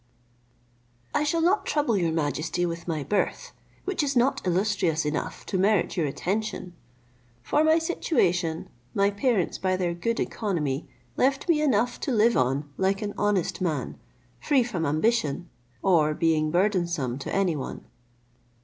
I shall not trouble your majesty with my birth, which is not illustrious enough to merit your attention. For my situation, my parents, by their good economy, left me enough to live on like an honest man, free from ambition, or being burdensome to any one.